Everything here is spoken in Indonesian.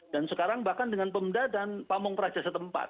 dan sekarang bahkan dengan pemda dan pamungkeraja setempat